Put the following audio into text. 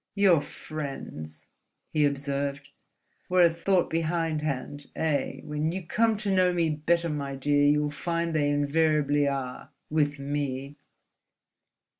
"Your friends," he observed, "were a thought behindhand, eh? When you come to know me better, my dear, you'll find they invariably are—with me."